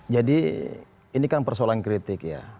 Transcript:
jadi ini kan persoalan kritik ya